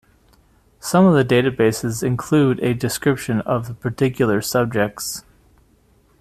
Some of the databases include a description of the particular subjects.